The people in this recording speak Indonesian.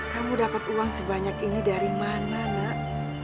kamu dapat uang sebanyak ini dari mana nak